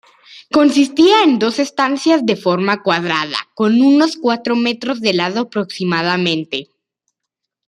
Consistía en dos estancias de forma cuadrada, con unos cuatro metros de lado aproximadamente.